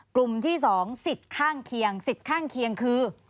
กลุ่มที่๒สิทธิ์ข้างเคียงสิทธิ์ข้างเคียงคือ